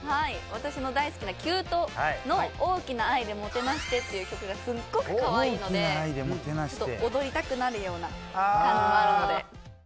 私の大好きな℃−ｕｔｅの『大きな愛でもてなして』っていう曲がすごくカワイイのでちょっと踊りたくなるような感じもあるので。